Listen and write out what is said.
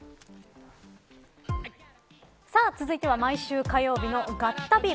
続いては、毎週火曜日のガッタビ！！